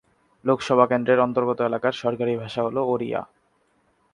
লোকসভা কেন্দ্রের অন্তর্গত এলাকার সরকারি ভাষা হল ওড়িয়া।